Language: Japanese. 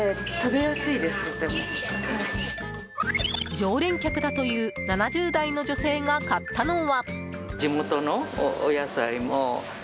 常連客だという７０代の女性が買ったのは。